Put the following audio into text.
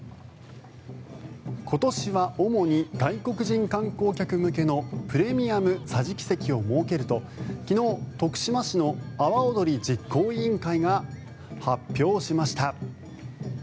今年は主に外国人観光客向けのプレミアム桟敷席を設けると昨日、徳島市の阿波おどり実行委員会が発表しました。